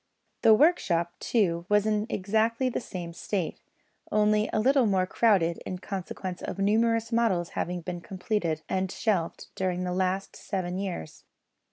The workshop, too, was in exactly the same state, only a little more crowded in consequence of numerous models having been completed and shelved during the last seven years.